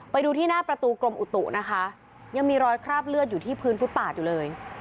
ไปดูที่หน้าประตูกรมอุตุนะคะยังมีรอยคราบเลือดอยู่ที่พื้นฟุตปาดอยู่เลย